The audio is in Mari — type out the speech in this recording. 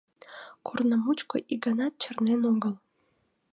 Корно мучко ик ганат чарнен огыл.